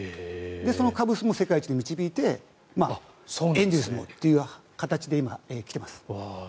そのカブスも世界一に導いてエンゼルスもっていう形で今、来てます。